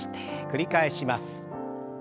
繰り返します。